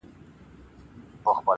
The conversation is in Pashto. د دې وطن د شمله ورو قدر څه پیژني-